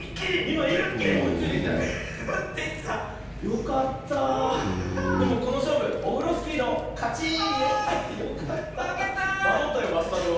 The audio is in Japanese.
まもったよバスタブを。